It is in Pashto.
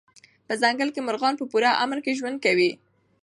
په ځنګل کې مرغان په پوره امن کې ژوند کوي.